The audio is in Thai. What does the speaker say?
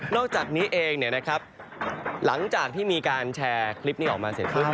นอกจากนี้เองเนี่ยนะครับหลังจากที่มีการแชร์คลิปนี้ออกมาเสร็จเพิ่งเนี่ย